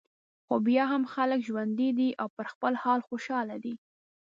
خو بیا هم خلک ژوندي دي او پر خپل حال خوشاله دي.